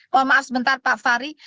mohon maaf sebentar pak fahri